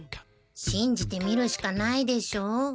しんじてみるしかないでしょ。